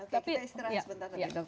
kita istirahat sebentar lagi